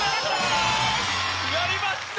やりました！